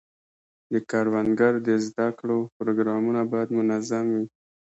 د کروندګرو د زده کړو پروګرامونه باید منظم وي.